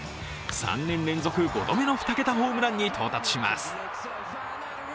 ３年連続５度目の２桁ホームランに到達します。